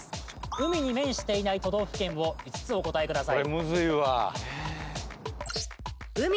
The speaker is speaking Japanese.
海に面していない都道府県を５つお答えください